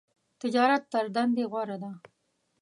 تجارت تر دندی غوره ده .